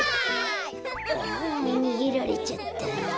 ああにげられちゃった。